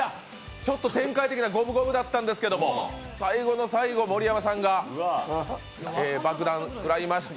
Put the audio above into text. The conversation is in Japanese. ちょっと展開的には五分五分だったんすけど最後の最後、盛山さんが爆弾食らいました。